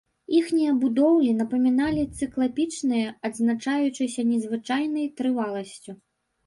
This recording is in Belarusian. Іхнія будоўлі напаміналі цыклапічныя, адзначаючыся незвычайнай трываласцю.